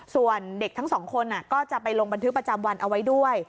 ส่วนเด็กทั้งสองคนก็จะไปลงบันทึกประจำวันเอาไว้ด้วย